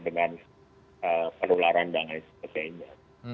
dengan penularan dana sebagainya